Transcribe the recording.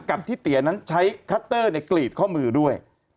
กับที่เตี๋ยนั้นใช้คัตเตอร์ในกรีดข้อมือด้วย